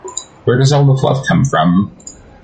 Where does all the fluff come from?